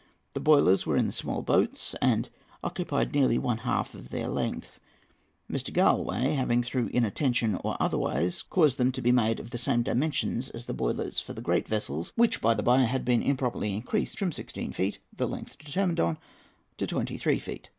The boilers were in the small boats, and occupied nearly one half of their length, Mr. Galloway having, through inattention or otherwise, caused them to be made of the same dimensions as the boilers for the great vessels, which, by the by, had been improperly increased from sixteen feet, the length determined on, to twenty three feet."